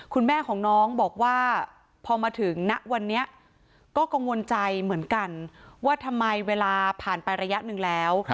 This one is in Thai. คุณแม่ของน้องบอกว่าพอมาถึงณวันนี้ก็กังวลใจเหมือนกันว่าทำไมเวลาผ่านไประยะหนึ่งแล้ว